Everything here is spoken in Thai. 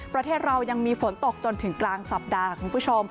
ประเทศเรายังมีฝนตกจนถึงกลางสัปดาห์